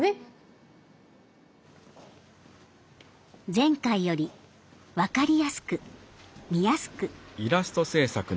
前回より、分かりやすく見やすく。